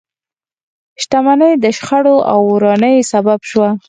شتمنۍ د شخړو او ورانۍ سبب شوه.